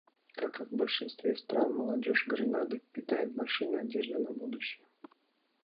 Как и в большинстве стран, молодежь Гренады питает большие надежды на будущее.